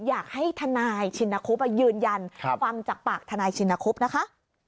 อยากให้ทนายชินคลุปมายืนยันความจักปากทนายชินคลุปนะคะ